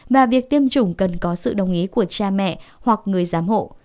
và việc tiêm chủng cần có sự đồng ý của cha mẹ hoặc người giám hộ